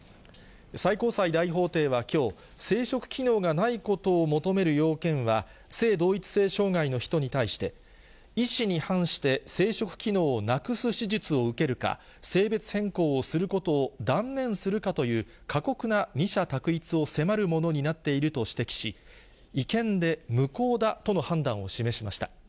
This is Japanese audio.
最高裁大法廷はきょう、生殖機能がないことを求める要件は、性同一性障害の人に対して、意思に反して生殖機能をなくす手術を受けるか、性別変更をすることを断念するかという、過酷な二者択一を迫るものになっていると指摘し、違憲で無効だとの判断を示しました。